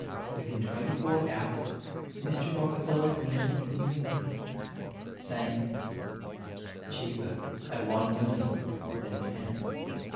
Within twenty four hours Mr. Rockefeller handed him the amount, saying, "Cheaper at one million than ten."